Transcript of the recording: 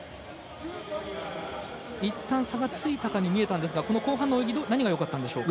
いったん、差がついたかに見えたんですが後半の泳ぎ、どうでしたか。